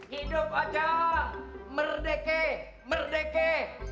hidup ocong merdeka merdeka